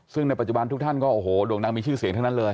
ซึ่งในปัจจุบันทุกท่านก็โอ้โหโด่งดังมีชื่อเสียงทั้งนั้นเลย